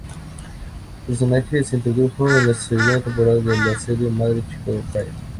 Su personaje se introdujo en la segunda temporada de la serie madre Chicago Fire.